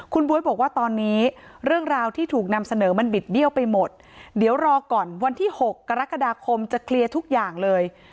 คุณบ๊วยบอกว่าตอนนี้เรื่องราวที่ถูกนำเสนอมันบิดเบี้ยวไปหมดเดี๋ยวรอก่อนวันที่๖กรกฎาคมจะเคลียร์ทุกอย่างเลย